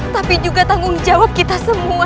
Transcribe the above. tapi juga tanggung jawab para rakyat